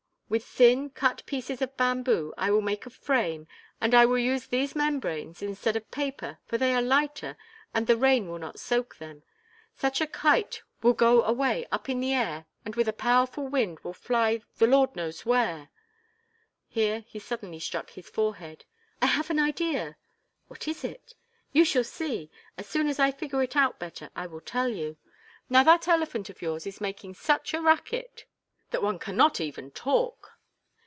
With thin, cut pieces of bamboo I will make a frame and I will use these membranes instead of paper for they are lighter and the rain will not soak them. Such a kite will go away up in the air and with a powerful wind will fly the Lord knows where " Here he suddenly struck his forehead. "I have an idea." "What is it?" "You shall see. As soon as I figure it out better, I will tell you. Now that elephant of yours is making such a racket that one cannot even talk."